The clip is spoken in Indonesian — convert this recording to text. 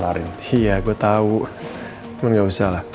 tapi tidak perlu